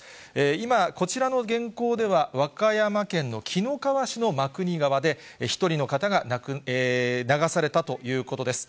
今、こちらの原稿では和歌山県の紀の川市の真国川で１人の方が流されたということです。